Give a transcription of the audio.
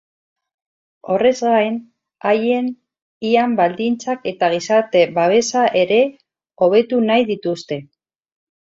Honez gain, haien lan baldintzak eta gizarte babesa ere hobetu nahi dituzte.